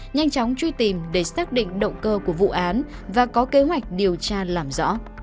nhanh chóng truy tìm để xác định động cơ của vụ án và có kế hoạch điều tra làm rõ